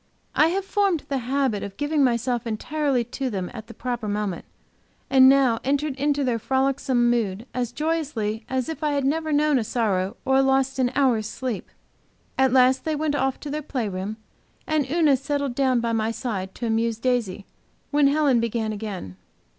I have formed the habit of giving myself entirely to them at the proper moment, and now entered into their frolicsome mood as joyously as if I had never known a sorrow or lost an hour's sleep. At last they went off to their play room, and Una settled down by my side to amuse Daisy, when Helen began again.